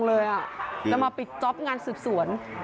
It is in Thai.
จะมาปิดจ๊อปงานสืบสวน